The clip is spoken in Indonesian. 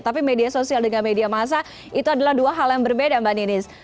tapi media sosial dengan media massa itu adalah dua hal yang berbeda mbak ninis